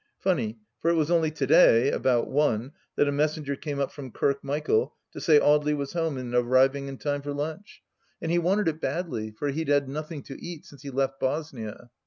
Funny, for it was only to day, about one, that a messenger came up from Kirkmichael to say Audely was home and arriving in time for lunch, an4 THE LAST DITCH 75 he wanted it badly, for he'd had nothing to eat since he left Bosnia.